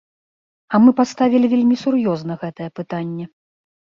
А мы паставілі вельмі сур'ёзна гэтае пытанне.